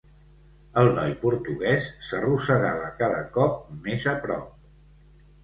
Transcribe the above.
El noi portuguès s'arrossegava cada cop més a prop.